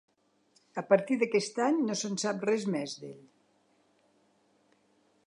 A partir d'aquest any no se'n sap res més, d'ell.